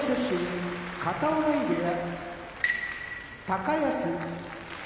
高安